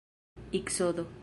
iksodo